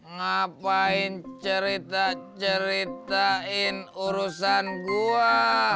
ngapain cerita ceritain urusan gua